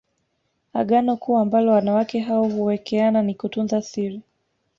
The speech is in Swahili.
Agano kuu ambalo wanawake hao huwekeana ni kutunza siri